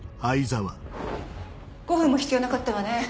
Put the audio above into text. ５分も必要なかったわね。